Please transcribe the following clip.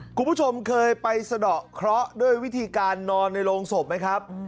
คุณผู้ชมเคยไปสะดอกเคราะห์ด้วยวิธีการนอนในโรงศพไหมครับ